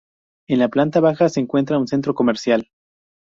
En la planta baja se encuentra un centro comercial.